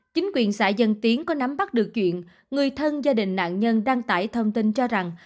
chính quyền xã dân tiến có nắm bắt được chuyện người thân gia đình nạn nhân đăng tải thông tin cho rằng